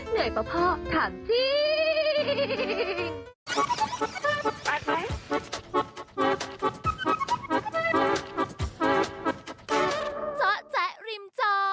เหนื่อยป่ะพ่อถามจริง